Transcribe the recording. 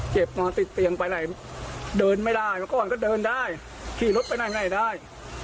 เจ็บมาติดเตียงไปไหนเดินไม่ได้แล้วก่อนก็เดินได้ขี่รถไปไหนไหนได้